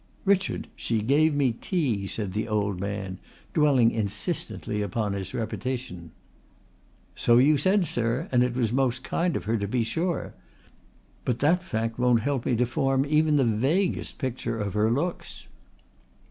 "Richard, she gave me tea," said the old man, dwelling insistently upon his repetition. "So you said, sir, and it was most kind of her to be sure. But that fact won't help me to form even the vaguest picture of her looks."